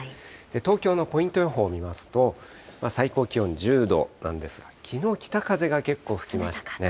東京のポイント予報見ますと、最高気温１０度なんですが、きのう、北風が結構吹きましたね。